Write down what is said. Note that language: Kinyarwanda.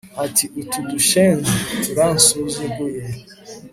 ati utu dushenzi turansuzuguye